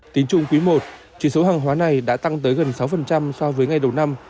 tính chung quý i chỉ số hàng hóa này đã tăng tới gần sáu so với ngày đầu năm